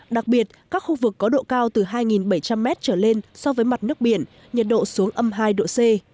đặc biệt các khu vực có độ cao từ hai bảy trăm linh m trở lên so với mặt nước biển nhiệt độ xuống âm hai độ c